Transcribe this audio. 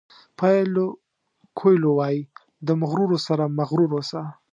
پایلو کویلو وایي د مغرورو سره مغرور اوسه.